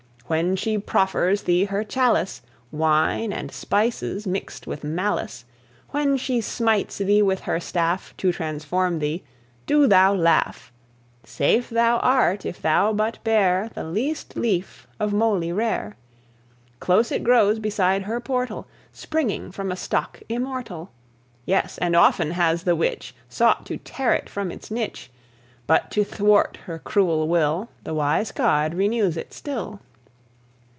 When she proffers thee her chalice, Wine and spices mixed with malice, When she smites thee with her staff To transform thee, do thou laugh! Safe thou art if thou but bear The least leaf of moly rare. Close it grows beside her portal, Springing from a stock immortal, Yes! and often has the Witch Sought to tear it from its niche; But to thwart her cruel will The wise God renews it still.